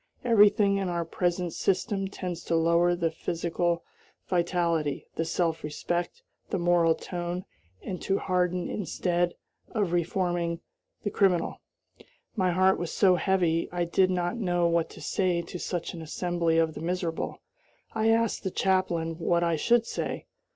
Everything in our present system tends to lower the physical vitality, the self respect, the moral tone, and to harden instead of reforming the criminal. My heart was so heavy I did not know what to say to such an assembly of the miserable. I asked the chaplain what I should say.